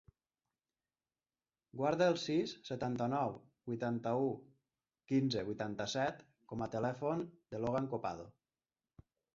Guarda el sis, setanta-nou, vuitanta-u, quinze, vuitanta-set com a telèfon del Logan Copado.